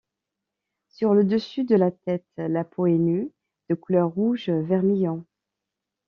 Sur le dessus de la tête, la peau est nue, de couleur rouge vermillon.